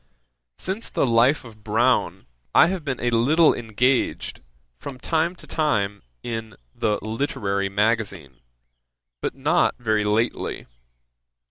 ] 'Since the Life of Browne, I have been a little engaged, from time to time, in the Literary Magazine, but not very lately.